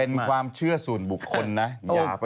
เป็นความเชื่อส่วนบุคคลนะ